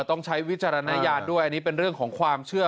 ต้องใช้วิจารณญาณด้วยอันนี้เป็นเรื่องของความเชื่อ